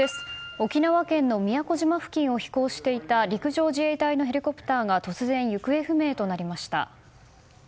沖縄県の宮古島付近を飛行していた陸上自衛隊のヘリコプターが突然、行方不明となりました。